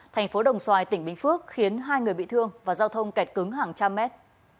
thành phố đồng xoài tỉnh bình phước khiến hai người bị thương và giao thông kẹt cứng hàng trăm mét